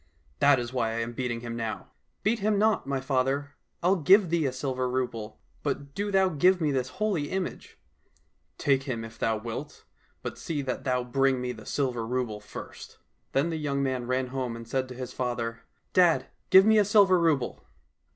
That is why I am beating him now." —'' Beat him not, my father ! I'll give thee a silver rouble, but do thou give me this holy image !"—" Take him if thou wilt, but see that thou bring me the silver rouble first." Then the young man ran home and said to his father, " Dad, give me a silver rouble